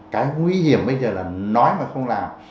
cái nguy hiểm bây giờ là nói mà không làm